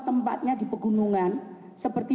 tempatnya di pegunungan seperti